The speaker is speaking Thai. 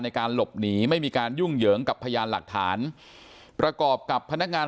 ในการหลบหนีไม่มีการยุ่งเหยิงกับพยานหลักฐานประกอบกับพนักงาน